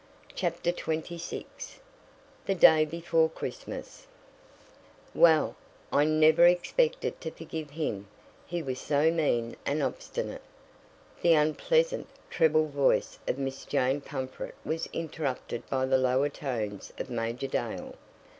CHAPTER XXVI THE DAY BEFORE CHRISTMAS "Well, I never expected to forgive him he was so mean and obstinate " The unpleasant, treble voice of Miss Jane Pumfret was interrupted by the lower tones of Major Dale.